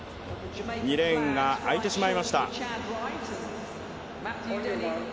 ２レーンが空いてしまいました。